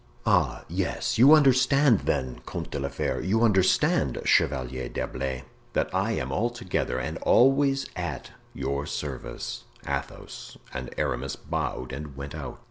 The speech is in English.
"Ah, yes. You understand, then, Comte de la Fere, you understand, Chevalier d'Herblay, that I am altogether and always at your service." Athos and Aramis bowed and went out.